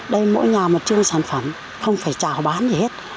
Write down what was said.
đây mỗi nhà một chương sản phẩm không phải trào bán gì hết